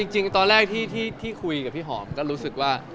จริงตอนแรกที่คุยกับพี่หอมก็รู้สึกว่า